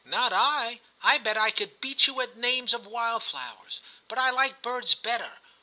* Not I. I bet I could beat you at the names of wildflowers ; but I like birds better.